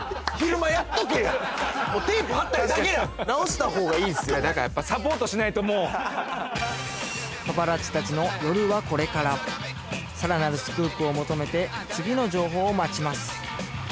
ピヤー！って直したほうがいいっすよねやっぱサポートしないともうパパラッチたちの夜はこれからさらなるスクープを求めて次の情報を待ちます